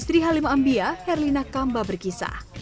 istri halim ambia herlina kamba berkisah